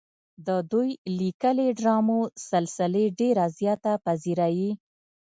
د دوي ليکلې ډرامو سلسلې ډېره زياته پذيرائي